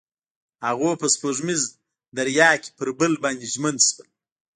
هغوی په سپوږمیز دریا کې پر بل باندې ژمن شول.